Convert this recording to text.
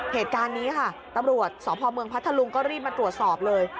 เหตุการณ์นี้ค่ะตำรวจสพเมืองพัทธลุงก็รีบมาตรวจสอบเลย